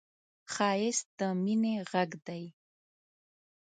ښایست د مینې غږ دی